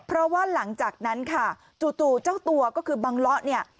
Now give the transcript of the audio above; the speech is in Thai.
เพราะว่าหลังจากนั้นค่ะจู่เจ้าตัวก็คือบังเลาะเนี่ย